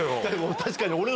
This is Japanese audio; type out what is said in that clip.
確かに。